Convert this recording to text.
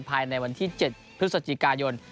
ภายในวันที่๗พฤศจิกายน